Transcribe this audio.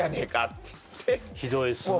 ひどいっすね